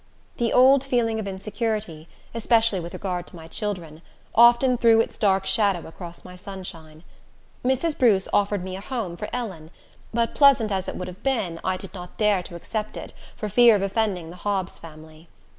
The old feeling of insecurity, especially with regard to my children, often threw its dark shadow across my sunshine. Mrs. Bruce offered me a home for Ellen; but pleasant as it would have been, I did not dare to accept it, for fear of offending the Hobbs family.